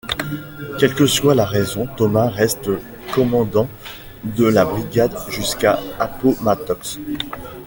Quelle que soit la raison, Thomas reste commandant de la brigade jusqu'à Appomattox.